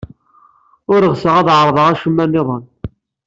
Ur ɣseɣ ad ɛerḍeɣ acemma niḍen.